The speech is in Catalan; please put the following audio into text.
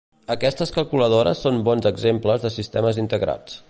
Aquestes calculadores són bons exemples de sistemes integrats.